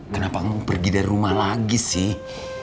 kenapa kamu pergi dari rumah lagi sih